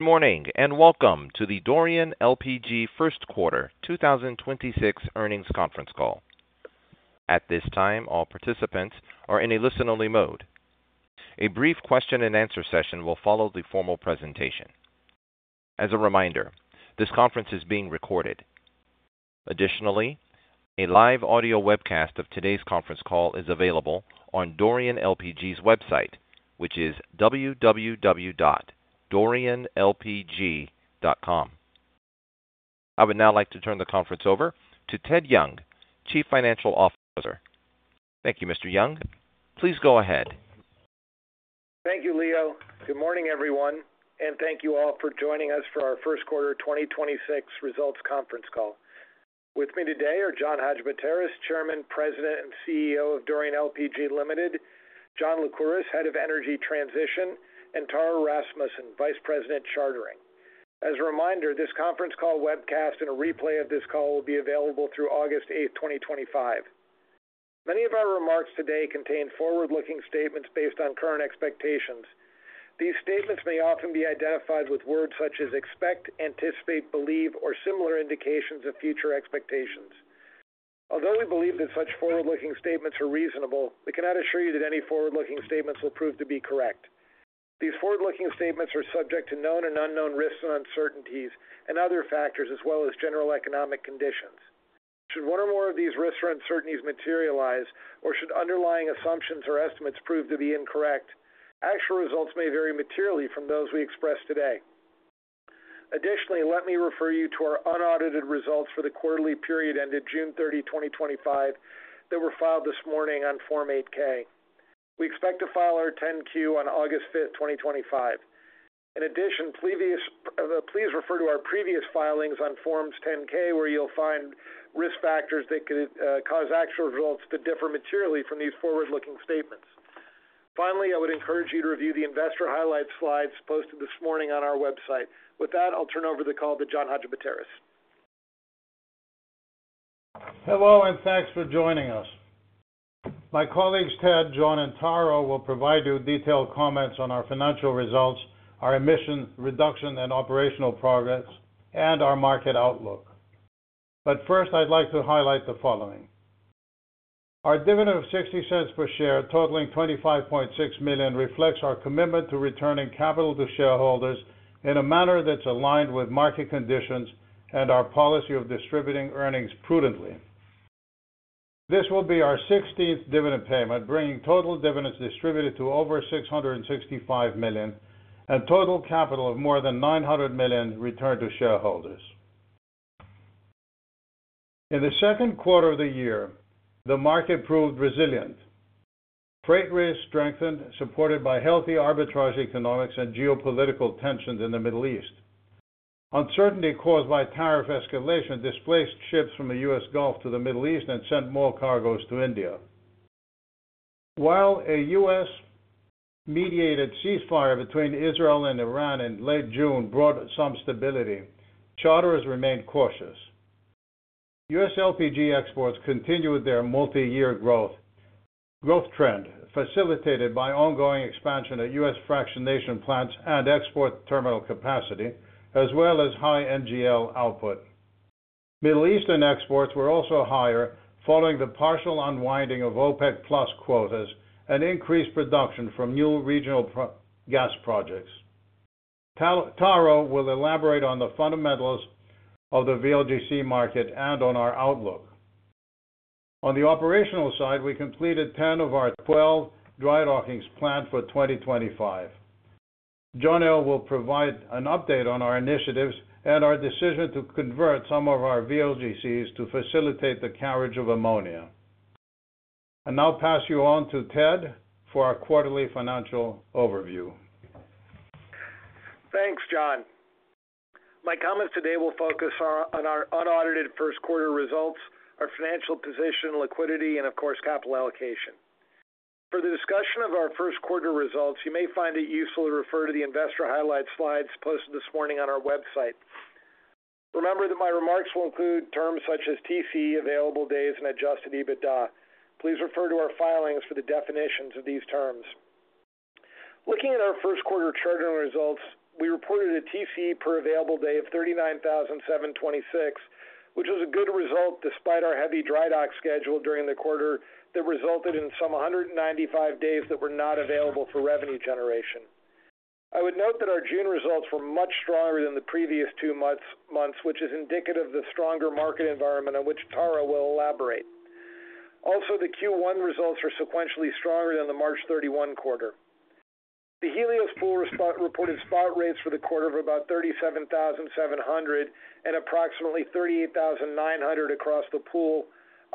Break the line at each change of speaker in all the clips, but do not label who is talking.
Good morning and welcome to the Dorian LPG first quarter 2026 earnings conference call. At this time, all participants are in a listen-only mode. A brief question-and-answer session will follow the formal presentation. As a reminder, this conference is being recorded. Additionally, a live audio webcast of today's conference call is available on Dorian LPG's website, which is www.dorianlpg.com. I would now like to turn the conference over to Ted Young, Chief Financial Officer. Thank you, Mr. Young. Please go ahead.
Thank you, Leo. Good morning, everyone, and thank you all for joining us for our first quarter 2026 results conference call. With me today are John Hadjipateras, Chairman, President and CEO of Dorian LPG Ltd, John Lycouris, Head of Energy Transition, and Taro Rasmussen, Vice President Chartering. As a reminder, this conference call webcast and a replay of this call will be available through August 8, 2025. Many of our remarks today contain forward-looking statements based on current expectations. These statements may often be identified with words such as "expect," "anticipate," "believe," or similar indications of future expectations. Although we believe that such forward-looking statements are reasonable, we cannot assure you that any forward-looking statements will prove to be correct. These forward-looking statements are subject to known and unknown risks and uncertainties and other factors, as well as general economic conditions. Should one or more of these risks or uncertainties materialize, or should underlying assumptions or estimates prove to be incorrect, actual results may vary materially from those we express today. Additionally, let me refer you to our unaudited results for the quarterly period ended June 30, 2025, that were filed this morning on Form 8-K. We expect to file our 10-Q on August 5th 2025. In addition, please refer to our previous filings on Forms 10-K, where you'll find risk factors that could cause actual results to differ materially from these forward-looking statements. Finally, I would encourage you to review the investor highlights slides posted this morning on our website. With that, I'll turn over the call to John Hadjipateras.
Hello and thanks for joining us. My colleagues Ted, John, and Taro will provide you detailed comments on our financial results, our emission reduction and operational progress, and our market outlook. First, I'd like to highlight the following. Our dividend of $0.60 per share, totaling $25.6 million, reflects our commitment to returning capital to shareholders in a manner that's aligned with market conditions and our policy of distributing earnings prudently. This will be our 16th dividend payment, bringing total dividends distributed to over $665 million and total capital of more than $900 million returned to shareholders. In the second quarter of the year, the market proved resilient. Trade risk strengthened, supported by healthy arbitrage economics and geopolitical tensions in the Middle East. Uncertainty caused by tariff escalation displaced ships from the U.S. Gulf to the Middle East and sent more cargoes to India. While a U.S.-mediated ceasefire between Israel and Iran in late June brought some stability, charters remained cautious. U.S. LPG exports continued their multi-year growth trend, facilitated by ongoing expansion at U.S. fractionation plants and export terminal capacity, as well as high NGL output. Middle Eastern exports were also higher following the partial unwinding of OPEC+ quotas and increased production from new regional gas projects. Taro will elaborate on the fundamentals of the VLGC market and on our outlook. On the operational side, we completed 10 of our 12 drydocking plans for 2025. John L. will provide an update on our initiatives and our decision to convert some of our VLGCs to facilitate the carriage of ammonia. I'll pass you on to Ted for our quarterly financial overview.
Thanks, John. My comments today will focus on our unaudited first quarter results, our financial position, liquidity, and of course, capital allocation. For the discussion of our first quarter results, you may find it useful to refer to the investor highlights slides posted this morning on our website. Remember that my remarks will include terms such as TCE, available days, and adjusted EBITDA. Please refer to our filings for the definitions of these terms. Looking at our first quarter charter results, we reported a TCE per available day of $39,726, which was a good result despite our heavy drydock schedule during the quarter that resulted in some 195 days that were not available for revenue generation. I would note that our June results were much stronger than the previous two months, which is indicative of the stronger market environment on which Taro will elaborate. Also, the Q1 results were sequentially stronger than the March 31 quarter. The Helios Pool reported spot rates for the quarter of about $37,700 and approximately $38,900 across the pool,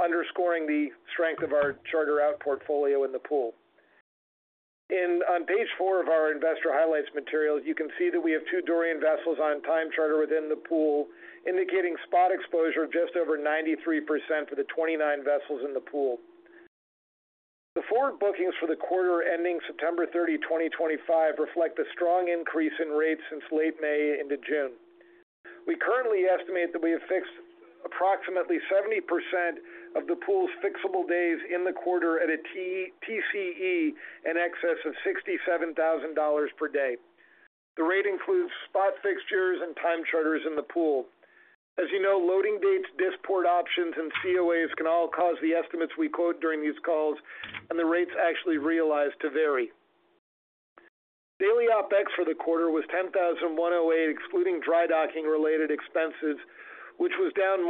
underscoring the strength of our charter out portfolio in the pool. On page four of our investor highlights materials, you can see that we have two Dorian vessels on time charter within the pool, indicating spot exposure of just over 93% for the 29 vessels in the pool. The forward bookings for the quarter ending September 30, 2025, reflect a strong increase in rates since late May into June. We currently estimate that we have fixed approximately 70% of the pool's fixable days in the quarter at a TCE in excess of $67,000 per day. The rate includes spot fixtures and time charters in the pool. As you know, loading dates, disport options, and COAs can all cause the estimates we quote during these calls, and the rates actually realized to vary. Daily OpEx for the quarter was $10,108, excluding drydocking related expenses, which was down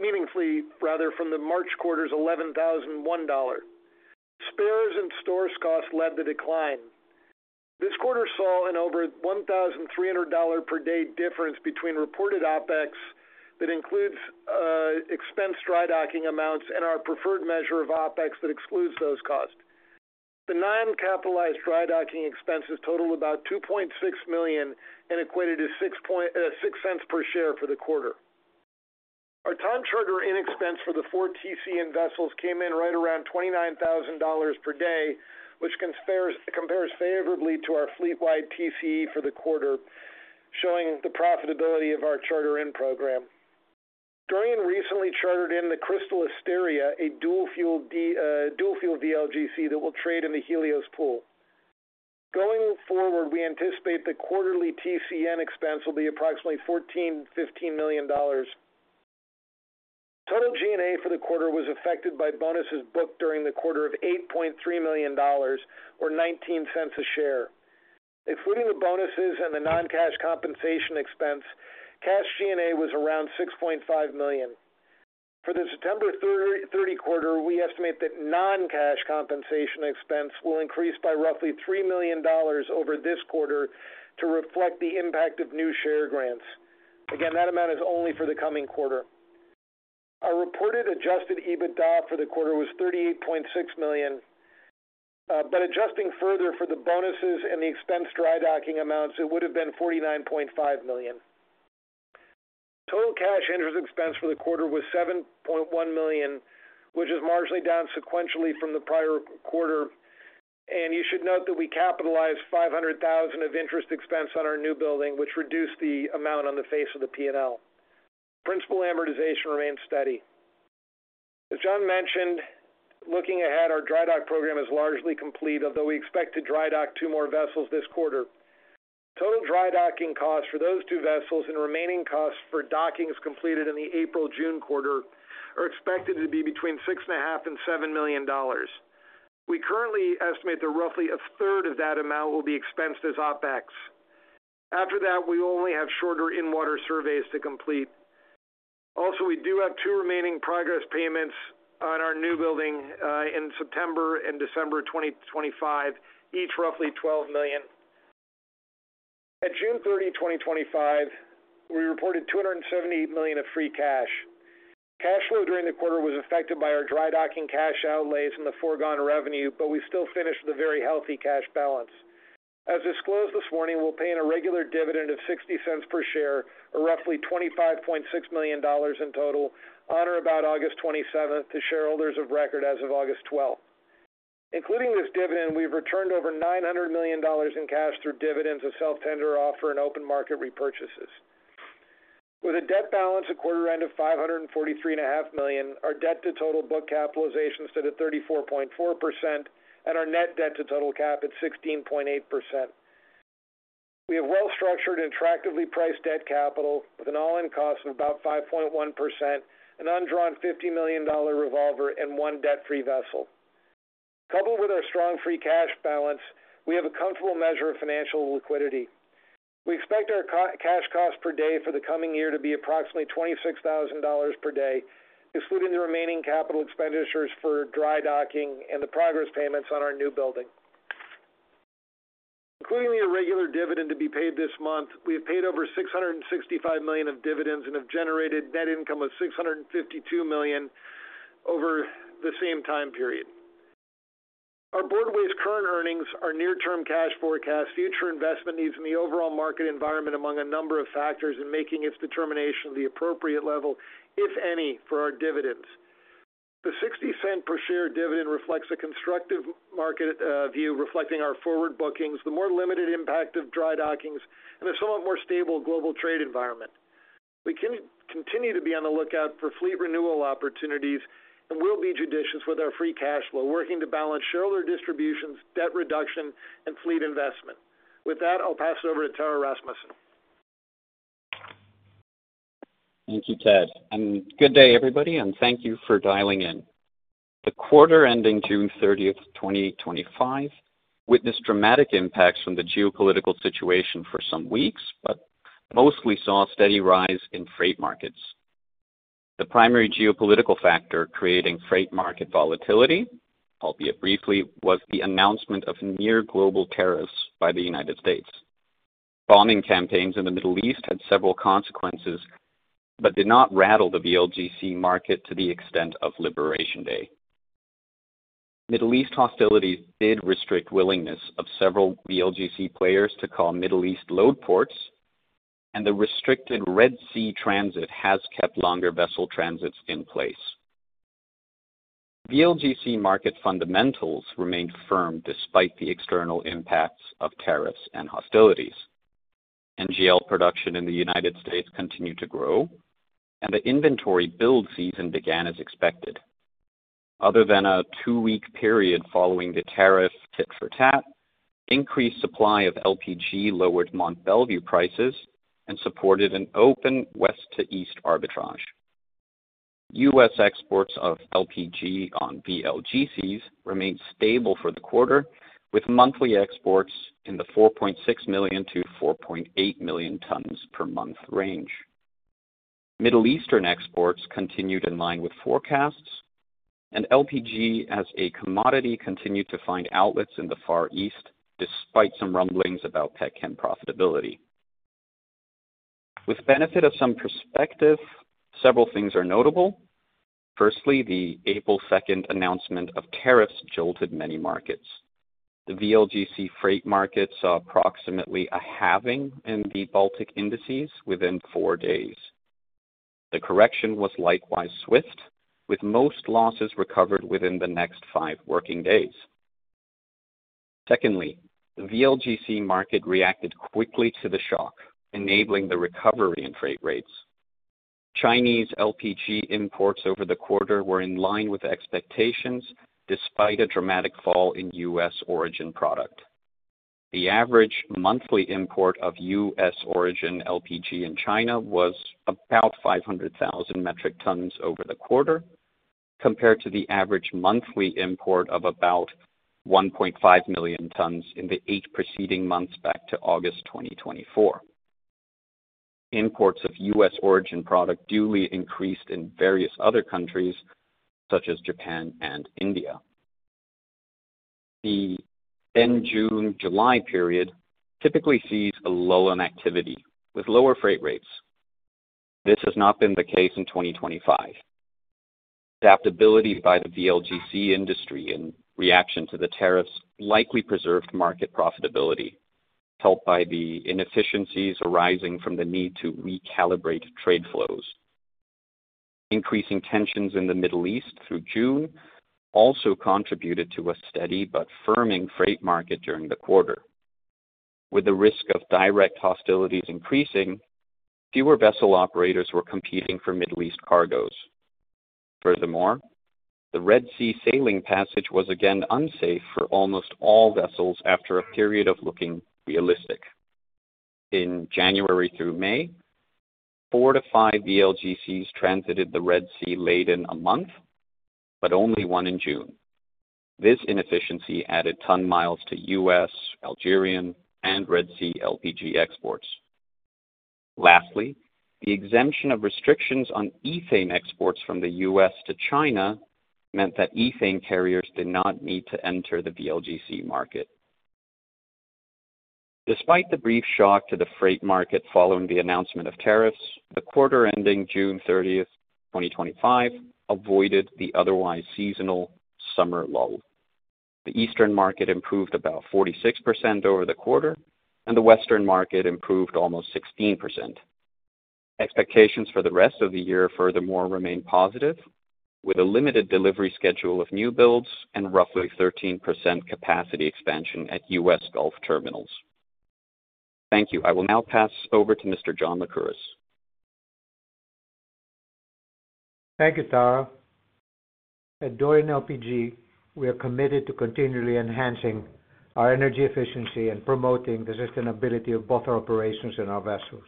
meaningfully from the March quarter's $11,001. Spares and storage costs led the decline. This quarter saw an over $1,300 per day difference between reported OpEx that includes expense drydocking amounts and our preferred measure of OpEx that excludes those costs. The non-capitalized drydocking expenses total about $2.6 million and equated to $0.06 per share for the quarter. Our time chartered-in expense for the four TC-in vessels came in right around $29,000 per day, which compares favorably to our fleet-wide TCE for the quarter, showing the profitability of our chartered-in program. Dorian recently chartered in the Crystal Asteria, a dual-fuel VLGC that will trade in the Helios Pool. Going forward, we anticipate the quarterly TC-in expense will be approximately $14 million-$15 million. Total G&A for the quarter was affected by bonuses booked during the quarter of $8.3 million or $0.19 per share. Excluding the bonuses and the non-cash compensation expense, cash G&A was around $6.5 million. For the September 30 quarter, we estimate that non-cash compensation expense will increase by roughly $3 million over this quarter to reflect the impact of new share grants. Again, that amount is only for the coming quarter. Our reported adjusted EBITDA for the quarter was $38.6 million, but adjusting further for the bonuses and the expense drydocking amounts, it would have been $49.5 million. Total cash interest expense for the quarter was $7.1 million, which is marginally down sequentially from the prior quarter. You should note that we capitalized $500,000 of interest expense on our newbuilding, which reduced the amount on the face of the P&L. Principal amortization remains steady. As John mentioned, looking ahead, our drydock program is largely complete, although we expect to drydock two more vessels this quarter. Total drydocking costs for those two vessels and remaining costs for dockings completed in the April-June quarter are expected to be between $6.5 million and $7 million. We currently estimate that roughly a third of that amount will be expensed as OpEx. After that, we will only have shorter in-water surveys to complete. Also, we do have two remaining progress payments on our newbuilding in September and December 2025, each roughly $12 million. At June 30, 2025, we reported $278 million of free cash. Cash flow during the quarter was affected by our drydocking cash outlays and the foregone revenue, but we still finished with a very healthy cash balance. As disclosed this morning, we'll pay a regular dividend of $0.60 per share, or roughly $25.6 million in total, on or about August 27 to shareholders of record as of August 12. Including this dividend, we've returned over $900 million in cash through dividends, self-tender offer, and open market repurchases. With a debt balance at quarter end of $543.5 million, our debt-to-total book capitalization stood at 34.4% and our net debt-to-total cap at 16.8%. We have well-structured and attractively priced debt capital with an all-in cost of about 5.1%, an undrawn $50 million revolver, and one debt-free vessel. Coupled with our strong free cash balance, we have a comfortable measure of financial liquidity. We expect our cash cost per day for the coming year to be approximately $26,000 per day, excluding the remaining capital expenditures for drydocking and the progress payments on our newbuilding. Including the irregular dividend to be paid this month, we have paid over $665 million of dividends and have generated net income of $652 million over the same time period. Our Board weighs current earnings, our near-term cash forecast, future investment needs, and the overall market environment among a number of factors in making its determination of the appropriate level, if any, for our dividends. The $0.60 per share dividend reflects a constructive market view, reflecting our forward bookings, the more limited impact of drydockings, and a somewhat more stable global trade environment. We can continue to be on the lookout for fleet renewal opportunities and will be judicious with our free cash flow, working to balance shareholder distributions, debt reduction, and fleet investment. With that, I'll pass it over to Taro Rasmussen.
Thank you, Ted. Good day, everybody, and thank you for dialing in. The quarter ending June 30th 2025, witnessed dramatic impacts from the geopolitical situation for some weeks, but mostly saw a steady rise in freight markets. The primary geopolitical factor creating freight market volatility, albeit briefly, was the announcement of near-global tariffs by the United States. Bombing campaigns in the Middle East had several consequences, but did not rattle the VLGC market to the extent of Liberation Day. Middle East hostilities did restrict willingness of several VLGC players to call Middle East load ports, and the restricted Red Sea transit has kept longer vessel transits in place. VLGC market fundamentals remained firm despite the external impacts of tariffs and hostilities. NGL production in the United States continued to grow, and the inventory build season began as expected. Other than a two-week period following the tariff tit for tat, increased supply of LPG lowered Mont Belvieu prices and supported an open west-to-east arbitrage. U.S. exports of LPG on VLGCs remained stable for the quarter, with monthly exports in the 4.6 million to 4.8 million tons per month range. Middle East exports continued in line with forecasts, and LPG as a commodity continued to find outlets in the Far East despite some rumblings about petchem profitability. With benefit of some perspective, several things are notable. Firstly, the April 2nd announcement of tariffs jolted many markets. The VLGC freight market saw approximately a halving in the Baltic indices within four days. The correction was likewise swift, with most losses recovered within the next five working days. Secondly, VLGC market reacted quickly to the shock, enabling the recovery in freight rates. Chinese LPG imports over the quarter were in line with expectations despite a dramatic fall in U.S. origin product. The average monthly import of U.S. origin LPG in China was about 500,000 metric tons over the quarter, compared to the average monthly import of about 1.5 million tons in the eight preceding months back to August 2024. Imports of U.S. origin product duly increased in various other countries, such as Japan and India. The end June-July period typically sees a lull in activity, with lower freight rates. This has not been the case in 2025. Adaptability by the VLGC industry in reaction to the tariffs likely preserved market profitability, helped by the inefficiencies arising from the need to recalibrate trade flows. Increasing tensions in the Middle East through June also contributed to a steady but firming freight market during the quarter. With the risk of direct hostilities increasing, fewer vessel operators were competing for Middle East cargoes. Furthermore, the Red Sea sailing passage was again unsafe for almost all vessels after a period of looking realistic. In January through May, four to five VLGCs transited the Red Sea late in a month, but only one in June. This inefficiency added ton miles to U.S., Algerian, and Red Sea LPG exports. Lastly, the exemption of restrictions on ethane exports from the U.S. to China meant that ethane carriers did not need to enter the VLGC market. Despite the brief shock to the freight market following the announcement of tariffs, the quarter ending June 30th 2025, avoided the otherwise seasonal summer lull. The Eastern market improved about 46% over the quarter, and the Western market improved almost 16%. Expectations for the rest of the year, furthermore, remain positive, with a limited delivery schedule of newbuilds and roughly 13% capacity expansion at U.S. Gulf terminals. Thank you. I will now pass over to Mr. John Lycouris.
Thank you, Taro. At Dorian LPG, we are committed to continually enhancing our energy efficiency and promoting the sustainability of both our operations and our vessels.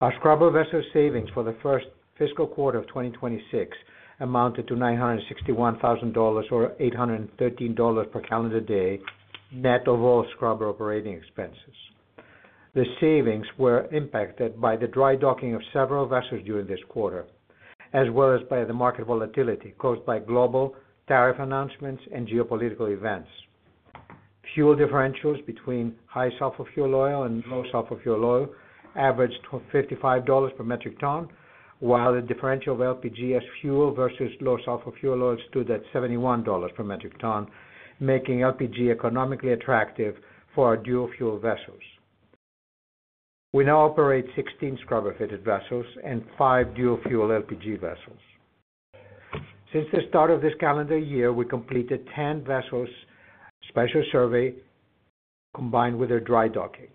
Our scrubber vessel savings for the first fiscal quarter of 2026 amounted to $961,000 or $813 per calendar day net of all scrubber operating expenses. The savings were impacted by the drydocking of several vessels during this quarter, as well as by the market volatility caused by global tariff announcements and geopolitical events. Fuel differentials between high sulfur fuel oil and low sulfur fuel oil averaged $55 per metric ton, while the differential of LPG as fuel versus low sulfur fuel oil stood at $71 per metric ton, making LPG economically attractive for our dual-fuel vessels. We now operate 16 scrubber-fitted vessels and five dual-fuel LPG vessels. Since the start of this calendar year, we completed 10 vessels' special survey combined with their drydocking.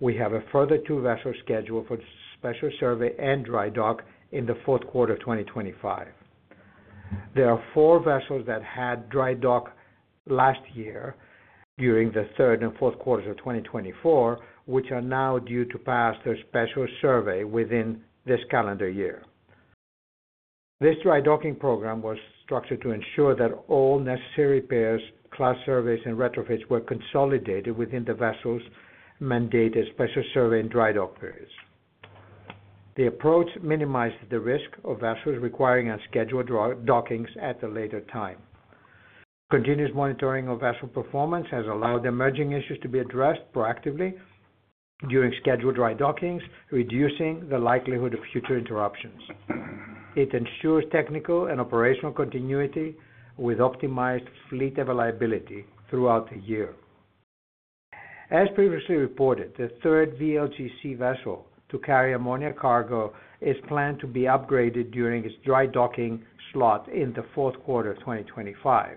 We have a further two vessels scheduled for special survey and drydock in the fourth quarter of 2025. There are four vessels that had drydock last year during the third and fourth quarters of 2024, which are now due to pass their special survey within this calendar year. This drydocking program was structured to ensure that all necessary repairs, class surveys, and retrofits were consolidated within the vessels' mandated special survey and drydock periods. The approach minimized the risk of vessels requiring unscheduled dockings at a later time. Continuous monitoring of vessel performance has allowed emerging issues to be addressed proactively during scheduled drydockings, reducing the likelihood of future interruptions. It ensures technical and operational continuity with optimized fleet availability throughout the year. As previously reported, the third VLGC vessel to carry ammonia cargo is planned to be upgraded during its drydocking slot in the fourth quarter of 2025.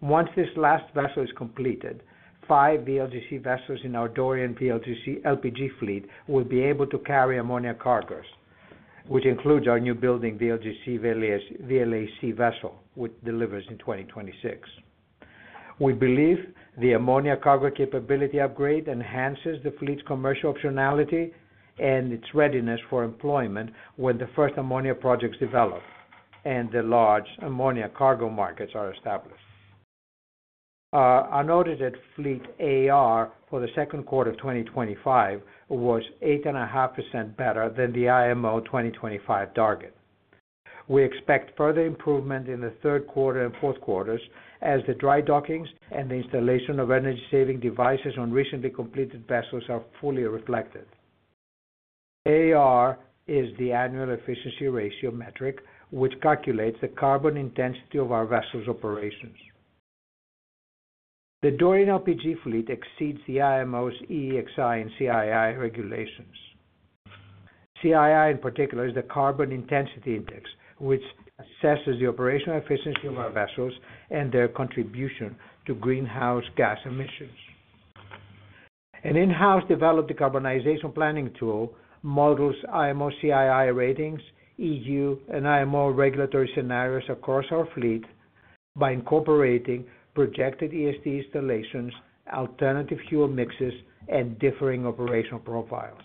Once this last vessel is completed, five VLGC vessels in our Dorian VLGC LPG fleet will be able to carry ammonia cargoes, which includes our newbuilding VLGC VLAC vessel, which delivers in 2026. We believe the ammonia cargo capability upgrade enhances the fleet's commercial optionality and its readiness for employment when the first ammonia projects develop and the large ammonia cargo markets are established. Our noted fleet AR for the second quarter of 2025 was 8.5% better than the IMO 2025 target. We expect further improvement in the third quarter and fourth quarters as the drydockings and the installation of energy-saving devices on recently completed vessels are fully reflected. AER is the annual efficiency ratio metric, which calculates the carbon intensity of our vessels' operations. The Dorian LPG fleet exceeds the IMO's EEXI and CII regulations. CII, in particular, is the carbon intensity index, which assesses the operational efficiency of our vessels and their contribution to greenhouse gas emissions. An in-house developed decarbonization planning tool models IMO CII ratings, EU, and IMO regulatory scenarios across our fleet by incorporating projected ESD installations, alternative fuel mixes, and differing operational profiles.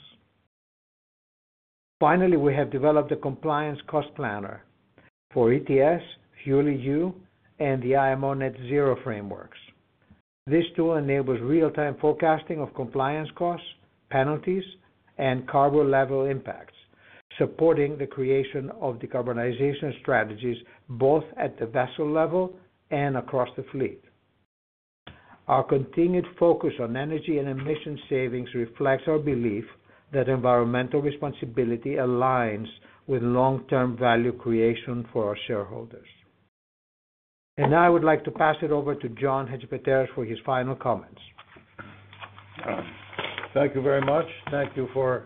Finally, we have developed the compliance cost planner for ETS, FuelEU, and the IMO Net Zero frameworks. This tool enables real-time forecasting of compliance costs, penalties, and carbon level impacts, supporting the creation of decarbonization strategies both at the vessel level and across the fleet. Our continued focus on energy and emission savings reflects our belief that environmental responsibility aligns with long-term value creation for our shareholders. I would like to pass it over to John Hadjipateras for his final comments.
Thank you very much. Thank you for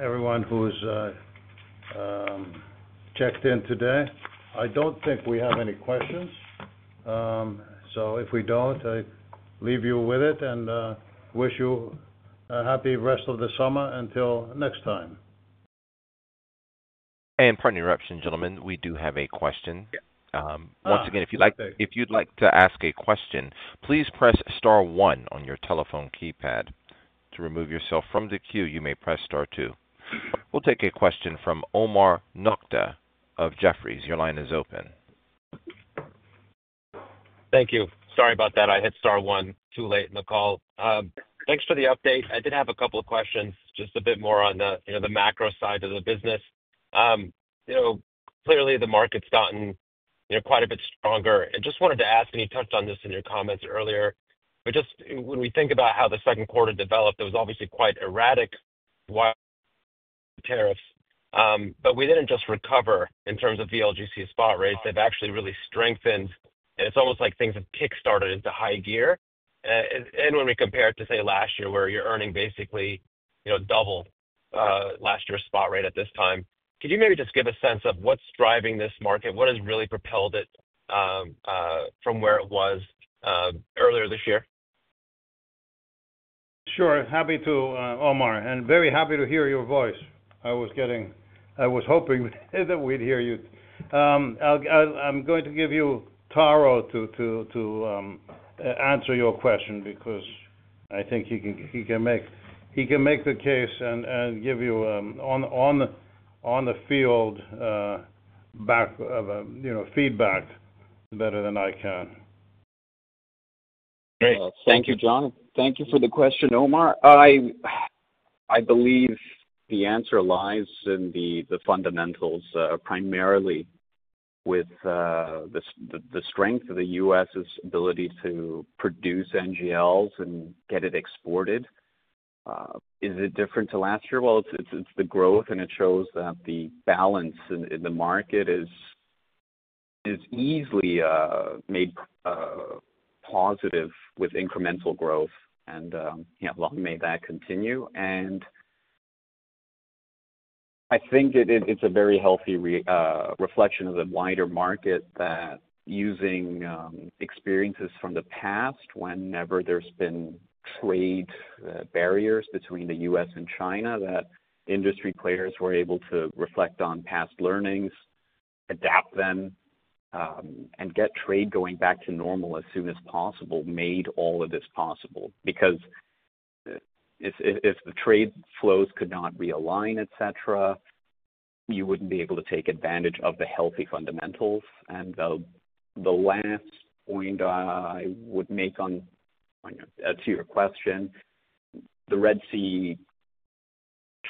everyone who's checked in today. I don't think we have any questions. If we don't, I leave you with it and wish you a happy rest of the summer until next time.
Pardon the interruption, gentlemen, we do have a question. Once again, if you'd like to ask a question, please press star one on your telephone keypad. To remove yourself from the queue, you may press star two. We'll take a question from Omar Nokta of Jefferies. Your line is open.
Thank you. Sorry about that. I hit star one too late in the call. Thanks for the update. I did have a couple of questions, just a bit more on the macro side of the business. Clearly the market's gotten quite a bit stronger. I just wanted to ask, and you touched on this in your comments earlier, when we think about how the second quarter developed, it was obviously quite erratic with tariffs. We didn't just recover in terms of VLGC spot rates. They've actually really strengthened, and it's almost like things have kickstarted into high gear. When we compare it to, say, last year, where your earning basically doubled, last year's spot rate at this time, could you maybe just give a sense of what's driving this market? What has really propelled it from where it was earlier this year?
Sure. Happy to, Omar, and very happy to hear your voice. I was hoping that we'd hear you. I'm going to give you Taro to answer your question because I think he can make the case and give you on the field feedback better than I can.
Great. Thank you, John. Thank you for the question, Omar. I believe the answer lies in the fundamentals, primarily with the strength of the U.S.'s ability to produce NGLs and get it exported. Is it different to last year? It's the growth, and it shows that the balance in the market is easily made positive with incremental growth. Long may that continue. I think it's a very healthy reflection of the wider market that using experiences from the past, whenever there's been trade barriers between the U.S. and China, industry players were able to reflect on past learnings, adapt them, and get trade going back to normal as soon as possible made all of this possible. If the trade flows could not realign, etc., you wouldn't be able to take advantage of the healthy fundamentals. The last point I would make on to your question, the Red Sea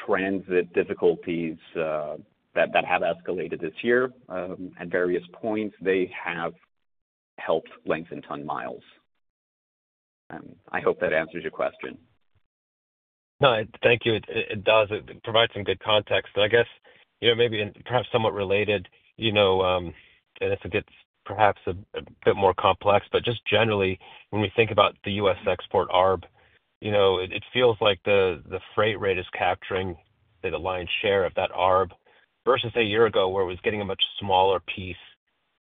transit difficulties that have escalated this year at various points, have helped lengthen ton miles. I hope that answers your question.
No, thank you. It does. It provides some good context. I guess, maybe perhaps somewhat related, and it's a bit perhaps a bit more complex, but just generally, when we think about the U.S. export ARB, it feels like the freight rate is capturing, say, the lion's share of that ARB versus a year ago where it was getting a much smaller piece.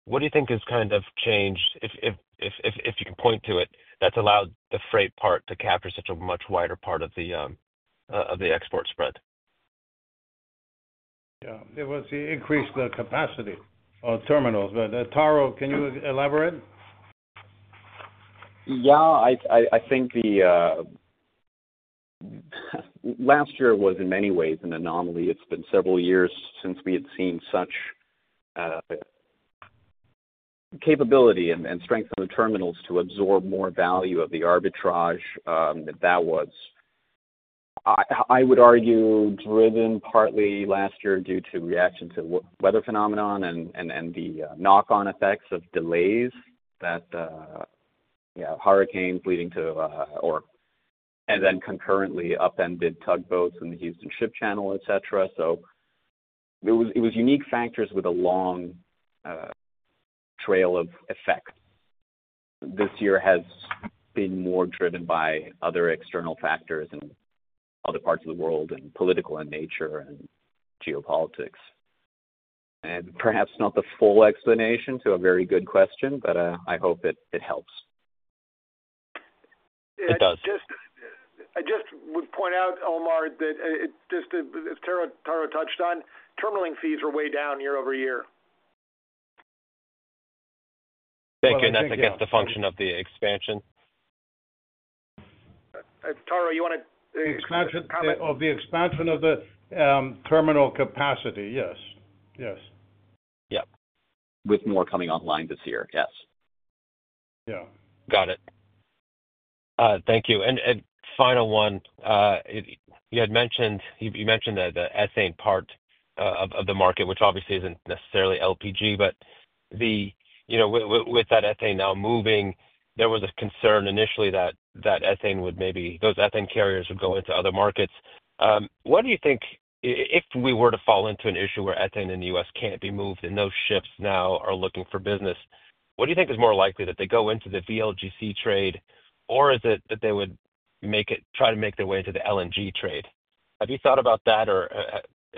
What do you think has kind of changed, if you can point to it, that's allowed the freight part to capture such a much wider part of the export spread?
Yeah, it was the increased capacity of terminals. Taro, can you elaborate?
Yeah, I think last year was in many ways an anomaly. It's been several years since we had seen such capability and strength in the terminals to absorb more value of the arbitrage that was, I would argue, driven partly last year due to reaction to weather phenomenon and the knock-on effects of delays that hurricanes leading to, or, and then concurrently upended tugboats in the Houston Ship Channel, etc. It was unique factors with a long trail of effect. This year has been more driven by other external factors in other parts of the world and political in nature and geopolitics. Perhaps not the full explanation to a very good question, but I hope it helps. It does.
I just would point out, Omar, that just as Taro touched on, terminaling fees are way down year-over year.
Thank you. That's, I guess, the function of the expansion.
Taro, you want to...
Expansion of the terminal capacity, yes. Yes.
Yep, with more coming online this year, yes.
Yeah.
Got it. Thank you. Final one, you had mentioned the ethane part of the market, which obviously isn't necessarily LPG, but with that ethane now moving, there was a concern initially that that ethane would maybe, those ethane carriers would go into other markets. What do you think, if we were to fall into an issue where ethane in the U.S. can't be moved and those ships now are looking for business, what do you think is more likely, that they go into the VLGC trade or is it that they would try to make their way into the LNG trade? Have you thought about that or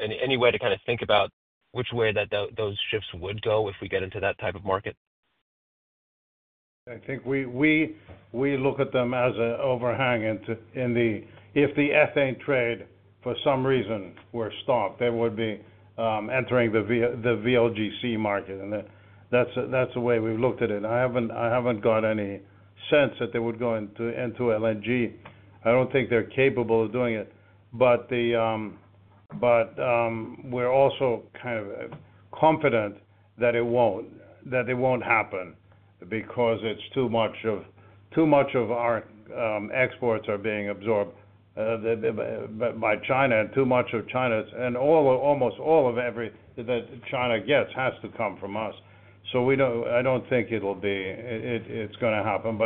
any way to kind of think about which way those ships would go if we get into that type of market?
I think we look at them as an overhang in the, if the ethane trade for some reason were stopped, they would be entering the VLGC market. That's the way we've looked at it. I haven't got any sense that they would go into LNG. I don't think they're capable of doing it. We're also kind of confident that it won't happen because too much of our exports are being absorbed by China and almost all of everything that China gets has to come from us. I don't think it's going to happen.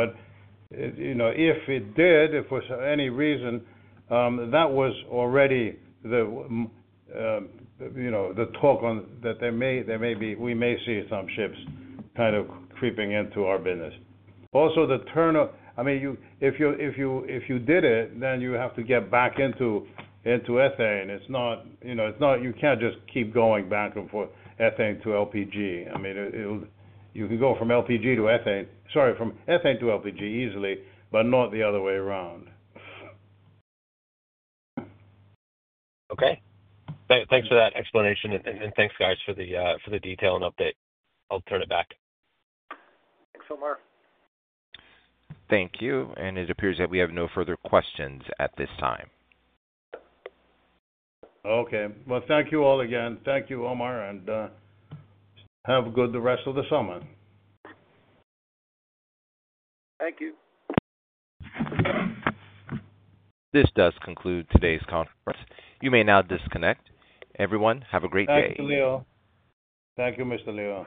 If it did, if for any reason, that was already the talk on that, we may see some ships kind of creeping into our business. Also, the turnout, I mean, if you did it, then you have to get back into ethane. It's not, you can't just keep going back and forth, ethane to LPG. You can go from LPG to ethane, sorry, from ethane to LPG easily, but not the other way around.
Okay, thanks for that explanation. Thanks, guys, for the detail and update. I'll turn it back.
Thanks, Omar.
Thank you. It appears that we have no further questions at this time.
Thank you all again. Thank you, Omar. Have a good rest of the summer.
Thank you.
This does conclude today's conference. You may now disconnect. Everyone, have a great day.
Thank you, Leo. Thank you, Mr. Leo.